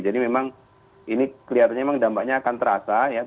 jadi memang ini kelihatannya memang dampaknya akan terasa ya